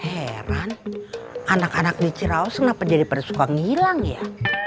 heran anak anak di cirao kenapa jadi persuka ngilang ya